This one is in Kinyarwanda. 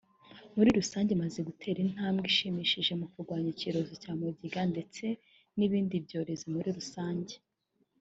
muri rusange imaze gutera intambwe ishimishije mu kurwanya icyorezo cya mugiga ndetse n’ibindi byorezo muri rusange